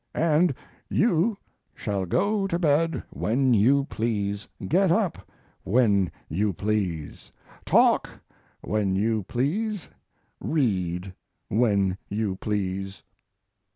And you shall go to bed when you please, get up when you please, talk when you please, read when you please.